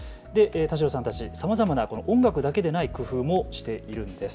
田代さんたちさまざまな音楽だけでない工夫もしているんです。